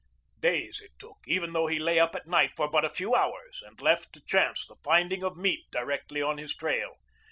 Days it took, even though he lay up at night for but a few hours and left to chance the finding of meat directly on his trail.